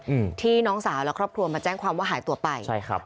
อืมที่น้องสาวและครอบครัวมาแจ้งความว่าหายตัวไปใช่ครับ